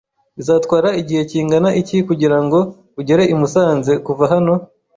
Bizatwara igihe kingana iki kugirango ugere i Musanze kuva hano?